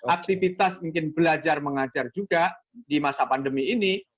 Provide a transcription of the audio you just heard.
aktivitas mungkin belajar mengajar juga di masa pandemi ini